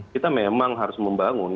kita memang harus membangun